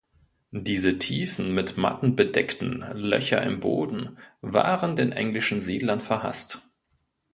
Diese tiefen, mit Matten bedeckten, Löcher im Boden waren den englischen Siedlern verhasst.